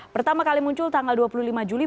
pertama kali muncul tanggal dua puluh lima juli